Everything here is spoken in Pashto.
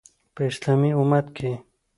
په اسلامي امت کې